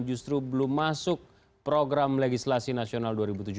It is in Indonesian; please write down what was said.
justru belum masuk program legislasi nasional dua ribu tujuh belas